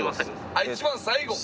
あっ一番最後か。